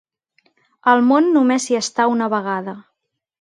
Al món només s'hi està una vegada.